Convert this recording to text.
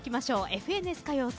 「ＦＮＳ歌謡祭」